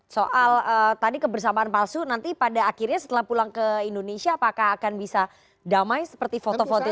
soal tadi kebersamaan palsu nanti pada akhirnya setelah pulang ke indonesia apakah akan bisa damai seperti foto foto